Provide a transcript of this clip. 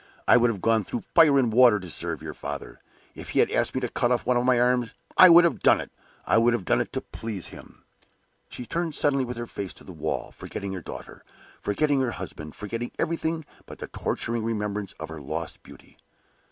I would have gone through fire and water to serve your father! If he had asked me to cut off one of my arms, I would have done it I would have done it to please him!" She turned suddenly with her face to the wall, forgetting her daughter, forgetting her husband, forgetting everything but the torturing remembrance of her lost beauty.